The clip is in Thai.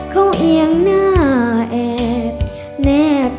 เขาเองหน้าแอดแน่ทรีย์สายใจ